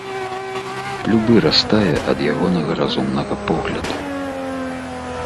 Любы растае ад ягонага разумнага погляду!